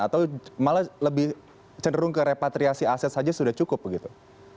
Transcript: atau malah lebih cenderung ke repatriasi aset saja sudah cukup begitu